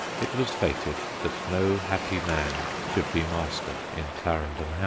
It was fated that no happy man should be master in Clarendon House.